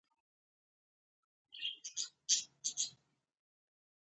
دا کار رودل ستونزمن او دردناک کوي.